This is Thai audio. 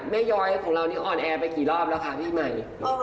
ย้อยของเรานี่ออนแอร์ไปกี่รอบแล้วคะพี่ใหม่